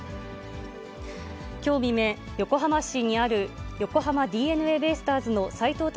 きょう未明、横浜市にある横浜ＤｅＮＡベイスターズの斎藤隆